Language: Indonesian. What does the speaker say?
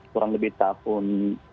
kurang lebih tahun